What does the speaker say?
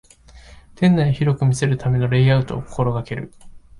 店内を広く見せるためのレイアウトを心がける